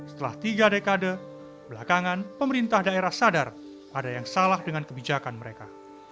setelah tiga dekade belakangan pemerintah daerah sadar ada yang salah dengan kebijakan mereka